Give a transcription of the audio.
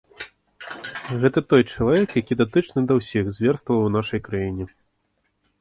Гэта той чалавек, які датычны да ўсіх зверстваў у нашай краіне.